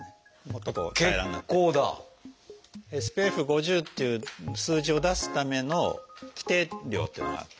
「ＳＰＦ５０」っていう数字を出すための規定量っていうのがあって。